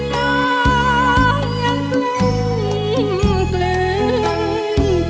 ยังยังเกลื้นเกลื้น